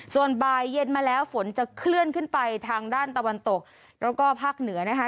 ส่วนบ่ายเย็นมาแล้วฝนจะเคลื่อนขึ้นไปทางด้านตะวันตกแล้วก็ภาคเหนือนะคะ